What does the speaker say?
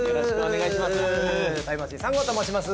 タイムマシーン３号と申します